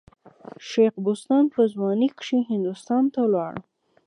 شېخ بستان په ځوانۍ کښي هندوستان ته ولاړ.